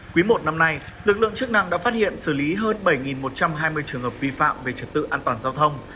quý một năm nay lực lượng chức năng đã phát hiện xử lý hơn bảy một trăm hai mươi trường hợp vi phạm về trật tự an toàn giao thông